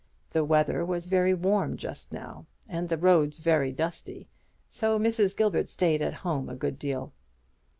The weather was very warm just now, and the roads very dusty; so Mrs. Gilbert stayed at home a good deal.